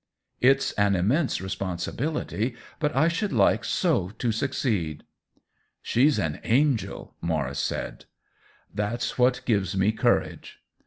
"It's an immense responsibility; but I should like so to succeed." " She's an angel !" Maurice S2tid. " That's what gives me courage."